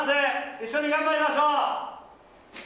一緒に頑張りましょう。